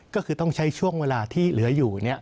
ก็คือต้องใช้ช่วงเวลาที่เหลืออยู่